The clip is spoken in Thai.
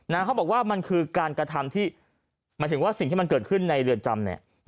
เขาบอกว่ามันคือการกระทำที่หมายถึงว่าสิ่งที่มันเกิดขึ้นในเรือนจำเนี่ย